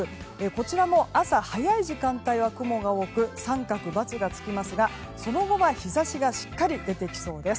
こちらも朝早い時間帯は雲が多く△×が付きますがその後は日差しがしっかり出てきそうです。